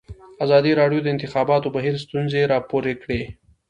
ازادي راډیو د د انتخاباتو بهیر ستونزې راپور کړي.